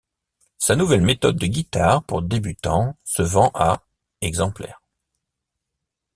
Sa nouvelle méthode de guitare pour débutants se vend à exemplaires.